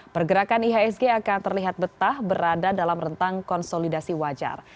pergerakan ihsg akan terlihat betah berada dalam rentang konsolidasi wajar